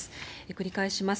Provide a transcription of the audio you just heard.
繰り返します。